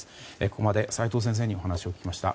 ここまで斎藤先生にお話を聞きました。